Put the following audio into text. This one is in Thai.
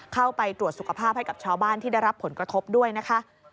เข้าไปตรวจสุขภาพให้กับชาวบ้านที่ได้รับผลกระทบด้วยนะคะ